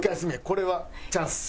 これはチャンス。